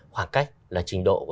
khoảng cách là trình độ của